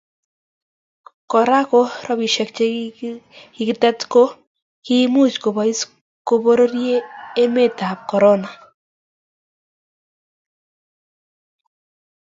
Kora ko robishiek che kikitet ko kiimuch kobois koborie emetab korona